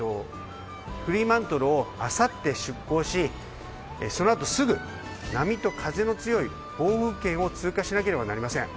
フリーマントルをあさって出港しその後すぐ、波と風の強い暴風圏を通過しなければいけません。